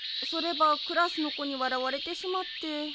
「そればクラスの子に笑われてしまって」